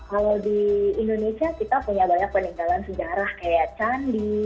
kalau di indonesia kita punya banyak peninggalan sejarah kayak candi